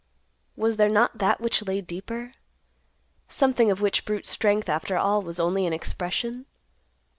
Was there not that which lay deeper? something of which the brute strength, after all, was only an expression?